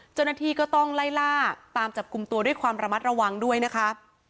เจ้าหน้าที่ก็ต้องไล่ล่าตามจับกลุ่มตัวด้วยความระมัดระวังด้วยนะคะ